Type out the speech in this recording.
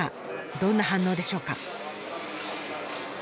どんな反応でしょうか？